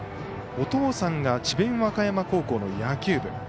お父さんが智弁和歌山高校の野球部。